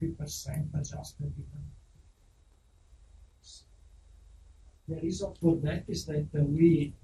% adjustment. The reason for that is that we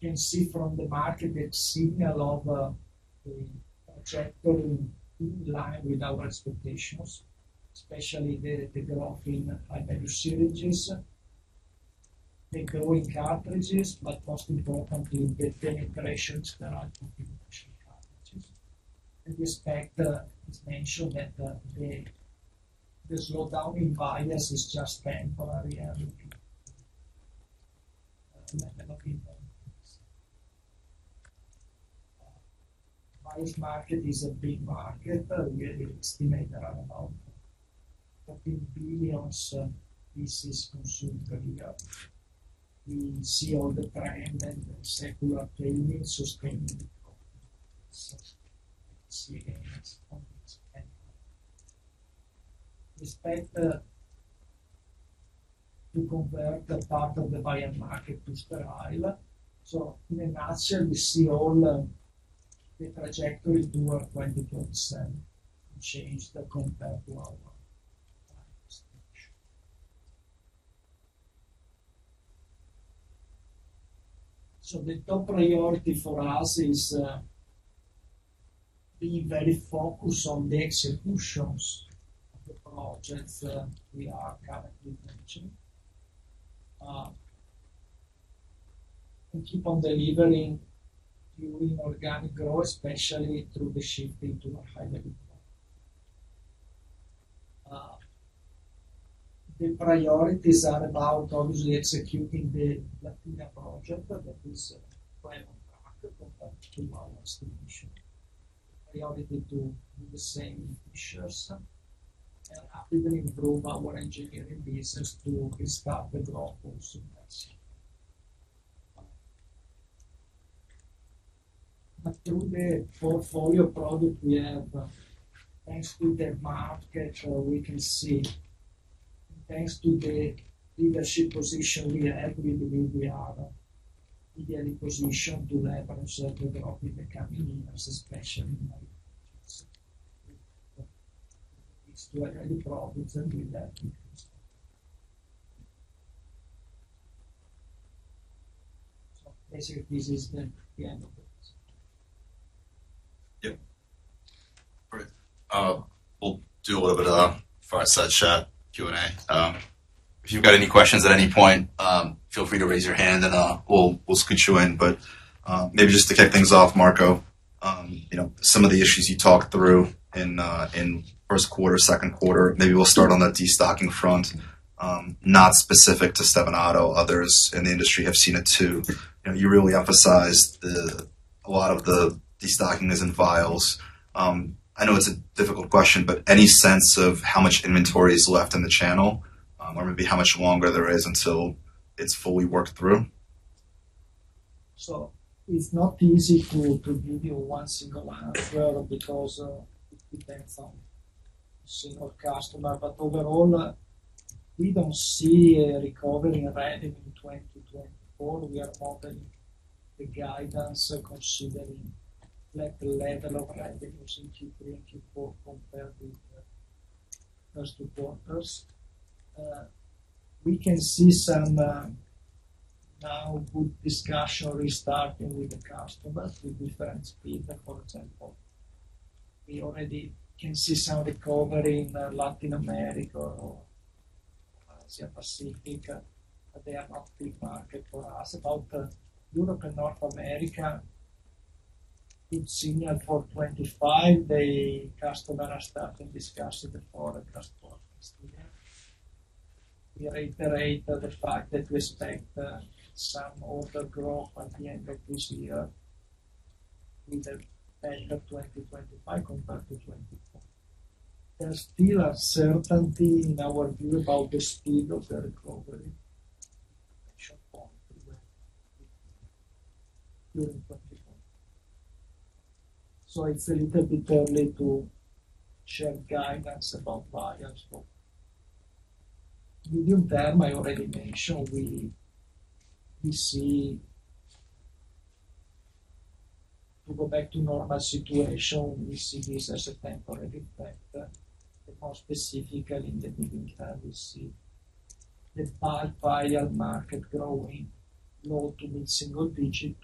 can see from the market a signal of the trajectory in line with our expectations, especially the growth in high-value syringes, the growing cartridges, but most importantly, the penetrations that are contribution to cartridges, and this fact is mentioned that the slowdown in vials is just temporary and vial market is a big market, but we estimate around about billions pieces consumed a year. We see all the trend and secular trends sustaining. We expect to convert the part of the vial market to sterile, so in a nutshell, we see all the trajectory to our twenty twenty-seven changed compared to our presentation, so the top priority for us is being very focused on the executions of the projects we are currently engaging. And keep on delivering during organic growth, especially through the shift into a high value. The priorities are about obviously executing the Latina project that is right on track compared to our estimation. Priority to do the same for us and actively improve our engineering business to restart the growth also. But through the portfolio product we have, thanks to the market, we can see. Thanks to the leadership position we have, we believe we are ideally positioned to leverage the growth in the coming years, especially in HVS products. It's too early to predict and we are keeping, so basically, this is the end of it. Yeah. Great. We'll do a little bit of fireside chat, Q&A. If you've got any questions at any point, feel free to raise your hand, and we'll scooch you in. But maybe just to kick things off, Marco, you know, some of the issues you talked through in first quarter, second quarter, maybe we'll start on the destocking front. Not specific to Stevanato, others in the industry have seen it, too. You know, you really emphasized that a lot of the destocking is in vials. I know it's a difficult question, but any sense of how much inventory is left in the channel? Or maybe how much longer there is until it's fully worked through? It's not easy to give you one single answer because it depends on single customer. Overall, we don't see a recovery already in 2024. We are modeling the guidance, considering that the level of Q3 and Q4 compared with the first two quarters. We can see some now good discussion restarting with the customers with different speed. For example, we already can see some recovery in Latin America or Asia Pacific, but they are not big market for us. About Europe and North America, it's signal for 2025, the customer has started discussing the forecast. We reiterate the fact that we expect some order growth at the end of this year with the end of 2025 compared to 2024. There's still uncertainty in our view about the speed of the recovery during 2024. So it's a little bit early to share guidance about vials. But medium term, I already mentioned, we see... To go back to normal situation, we see this as a temporary effect, but more specifically, in the medium term, we see the vial market growing low to mid-single digit,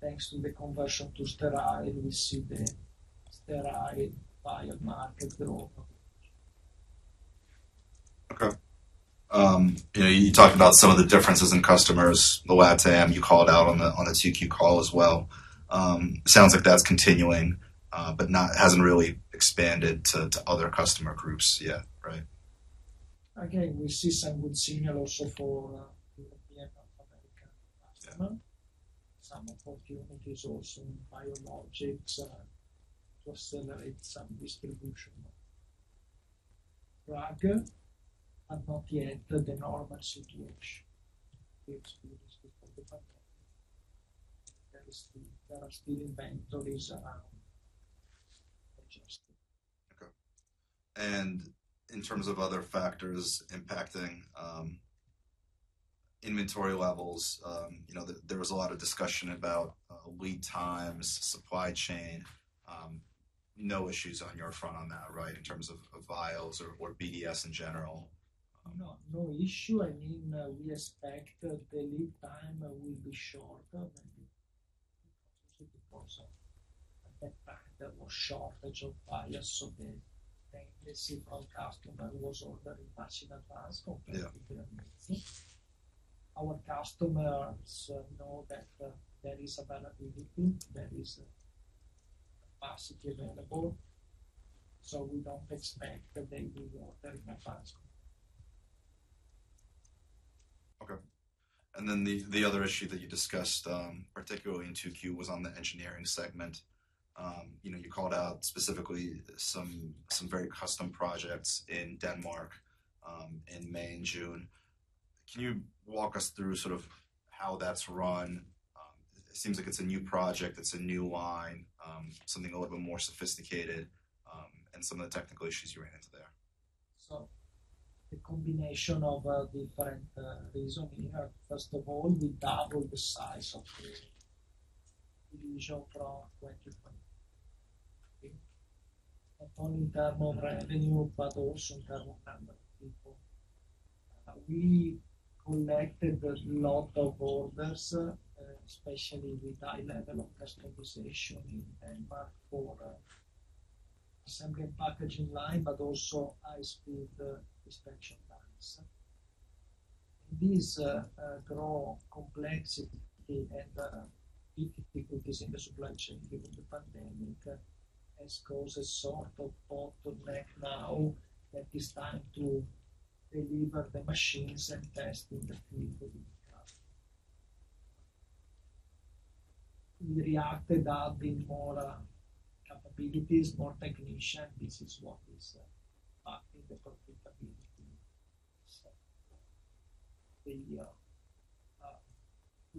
thanks to the conversion to sterile, we see the sterile vial market grow. Okay. You know, you talked about some of the differences in customers, the LATAM, you called out on the 2Q call as well. Sounds like that's continuing, but not hasn't really expanded to other customer groups yet, right? Again, we see some good signal also for European, North American customer. Yeah. Some opportunities also in biologics, to accelerate some distribution drag, but not yet the normal situation we experienced before. There are still inventories around adjusting. And in terms of other factors impacting inventory levels, you know, there was a lot of discussion about lead times, supply chain. No issues on your front on that, right? In terms of vials or BDS in general? No, no issue. I mean, we expect the lead time will be shorter than before. So at that time, there was shortage of vials, so the customer was ordering much in advance. Yeah. Our customers know that there is availability, there is capacity available, so we don't expect that they will order in advance. Okay. And then the other issue that you discussed, particularly in 2Q was on the engineering segment. You know, you called out specifically some very custom projects in Denmark, in May and June. Can you walk us through sort of how that's run? It seems like it's a new project, it's a new line, something a little bit more sophisticated, and some of the technical issues you ran into there. So the combination of different reasons we have. First of all, we doubled the size of the division from 20 percent internal revenue, but also internal number of people. We collected a lot of orders, especially with high level of customization in Denmark for assembly and packaging line, but also high speed inspection lines. This growing complexity and difficulties in the supply chain due to the pandemic has caused a sort of bottleneck now that it is time to deliver the machines and testing the people. We reacted, adding more capabilities, more technicians. This is what is in the profitability. So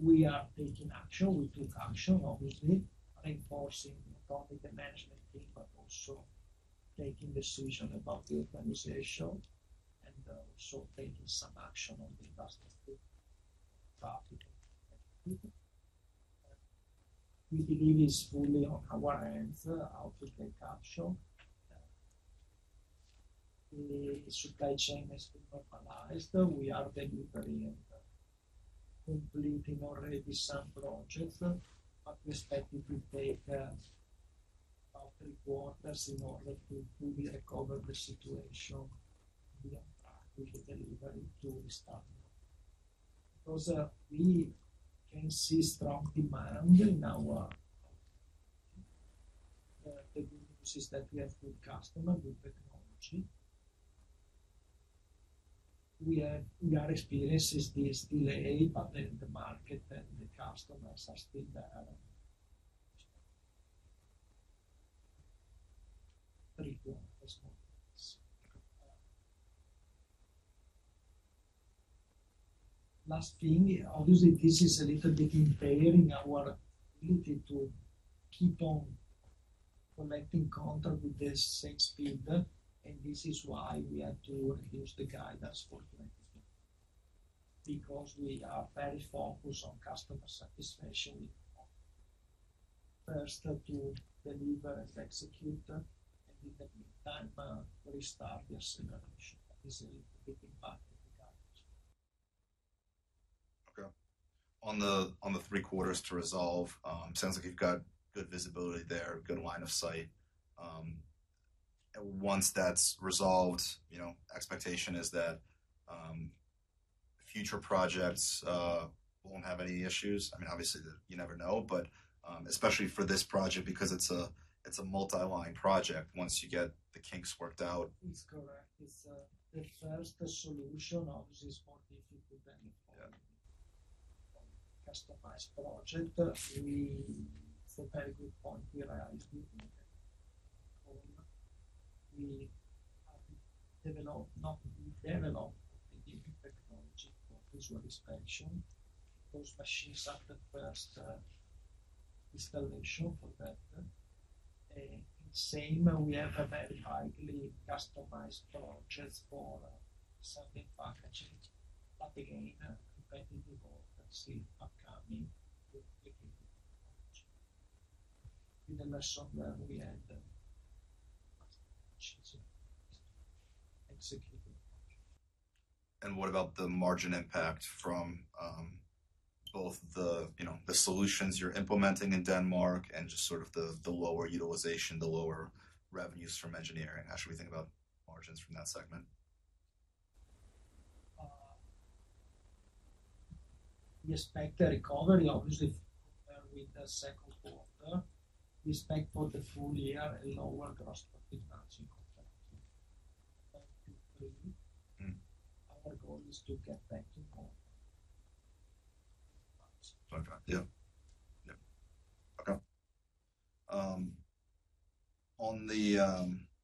we are taking action. We took action, obviously, reinforcing not only the management team, but also taking decisions about the organization and also taking some action on the investment. We believe it is fully on our hands how to take action. The supply chain has been normalized. We are delivering, completing already some projects, but we expect it will take about three quarters in order to fully recover the situation, the delivery to restart. Because we can see strong demand in our systems. We have good customer, good technology. We are experiencing this delay, but the market and the customers are still there. Last thing, obviously, this is a little bit impairing our ability to keep on collecting contract with the same speed, and this is why we had to reduce the guidance for 2023, because we are very focused on customer satisfaction. First, to deliver, execute, and in the meantime, restart the acceleration. This is a big impact on the guidance. Okay. On the three quarters to resolve, it sounds like you've got good visibility there, good line of sight. Once that's resolved, you know, expectation is that future projects won't have any issues. I mean, obviously, you never know, but especially for this project, because it's a multi-line project, once you get the kinks worked out. It's correct. It's the first solution, obviously, is more difficult than- Yeah Customized project. We, for very good point, we realized we develop, not develop the technology for visual inspection. Those machines are the first installation for that. Same, we have a very highly customized projects for certain packages, but again, depending the order, still upcoming in the next software we have executed. What about the margin impact from both the, you know, the solutions you're implementing in Denmark and just sort of the lower utilization, the lower revenues from engineering? How should we think about margins from that segment? We expect a recovery, obviously, with the second quarter. We expect for the full year a lower gross margin. Our goal is to get back to normal. Okay. I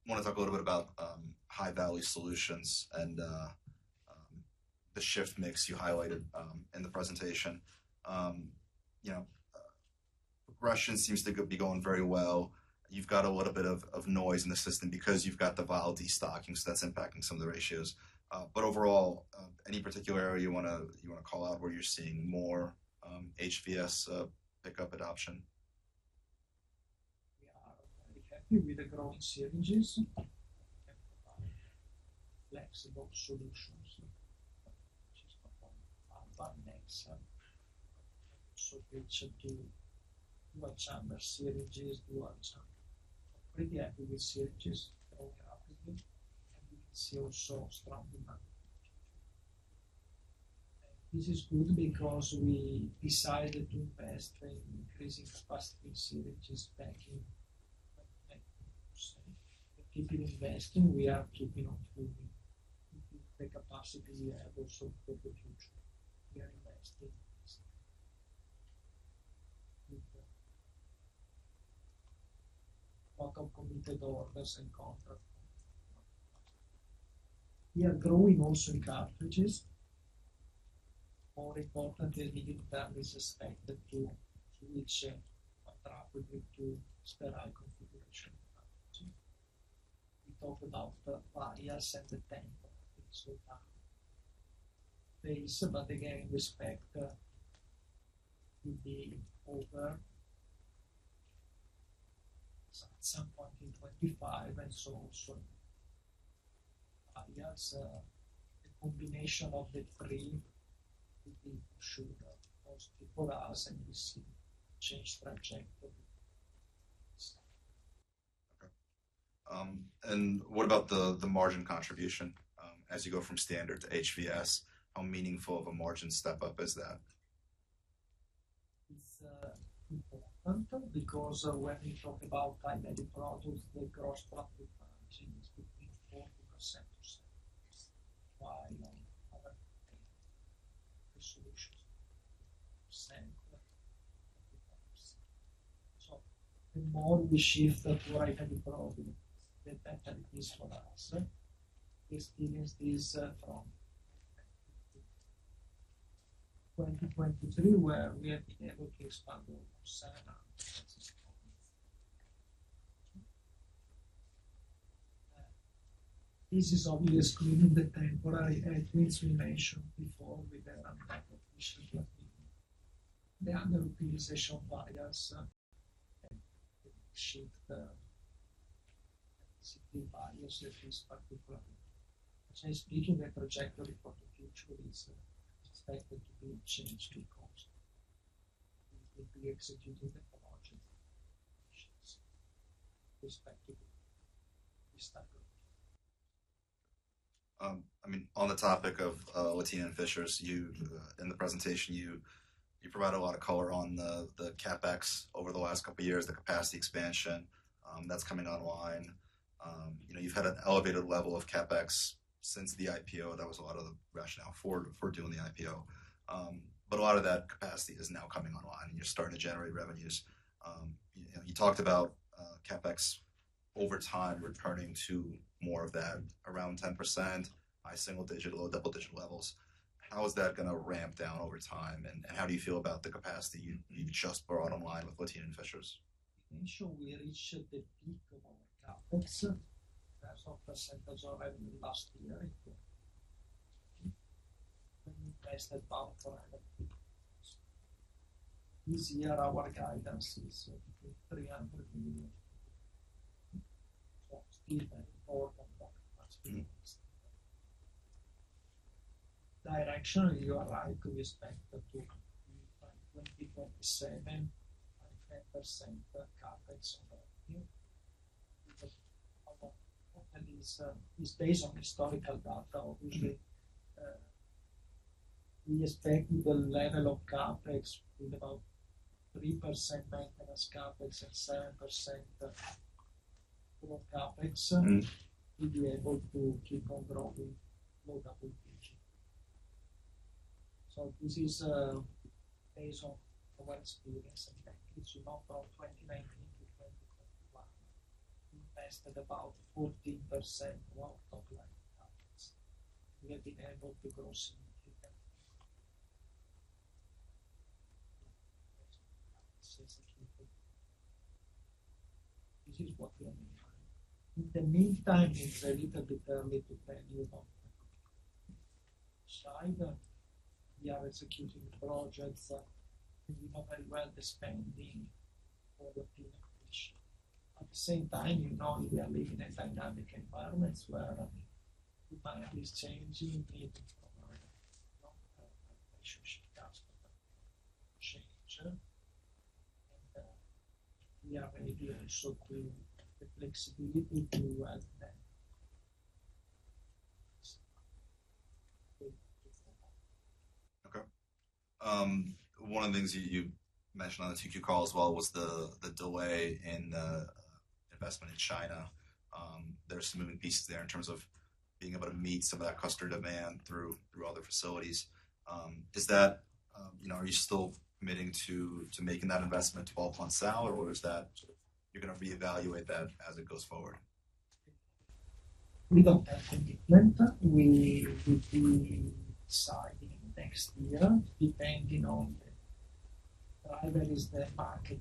want to talk a little bit about High Value Solutions and the shift mix you highlighted in the presentation. You know, Russia seems to be going very well. You've got a little bit of noise in the system because you've got the vial destocking, so that's impacting some of the ratios. But overall, any particular area you want to call out where you're seeing more HVS pickup adoption? We are very happy with the growth syringes, flexible solutions, which is performed by Nexa. Which do two chamber syringes, two chamber. Pretty happy with syringes, growing rapidly, and we can see also strong demand. This is good because we decided to invest in increasing capacity in syringes packing. Keeping investing, we are keeping on improving the capacity we have also for the future. We are investing. A lot of committed orders and contracts. We are growing also in cartridges. More importantly, lead time is expected to return rapidly to stable configuration. We talked about the vials at the time. But again, expected to be over some point in 2025, and so also, the combination of the three should be positive for us, and we see strong trajectory. What about the margin contribution, as you go from standard to HVS? How meaningful of a margin step up is that? It's important because when we talk about high value products, the gross profit margin is between 4% to 7%. While on other solutions, percent. So the more we shift to high value products, the better it is for us. We experienced this from 2023, where we have been able to expand over 700 basis points. This is obviously including the temporary headwinds we mentioned before with the underutilization of assets and the product mix shift, which is particularly speaking. The trajectory for the future is expected to be changed because we executing the margins respectively. We start good. I mean, on the topic of Latina and Fishers, you in the presentation provide a lot of color on the CapEx over the last couple of years, the capacity expansion that's coming online. You know, you've had an elevated level of CapEx since the IPO. That was a lot of the rationale for doing the IPO. But a lot of that capacity is now coming online, and you're starting to generate revenues. You know, you talked about CapEx over time returning to more of that around 10%, high single-digit, low double-digit levels. How is that going to ramp down over time, and how do you feel about the capacity you just brought online with Latina and Fishers? Initially, we reached the peak of our CapEx. That's our percentage of revenue last year. Invested about four hundred. This year, our guidance is EUR 300 million. Directionally, you are right to expect to 2027, 10% CapEx. And it is based on historical data, obviously, we expect the level of CapEx with about 3% maintenance CapEx and 7% of CapEx, we'll be able to keep on growing low double digit. So this is based on our experience. In about 2019 to 2021, we invested about 14% of top line CapEx. We have been able to grow significantly. This is what we are doing. In the meantime, it's a little bit early to tell you about. Besides, we are executing projects. We know very well the spending for the population. At the same time, you know, we are living in a dynamic environment where the market is changing, need change, and we are very good also to the flexibility to do well then. Okay. One of the things you mentioned on the TQ call as well was the delay in investment in China. There are some moving pieces there in terms of being able to meet some of that customer demand through other facilities. You know, are you still committing to making that investment to Baltimore South, or is that you're going to reevaluate that as it goes forward? We don't have any plan. We will be deciding next year, depending on whether is the market-